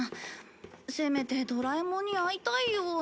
せめてドラえもんに会いたいよ。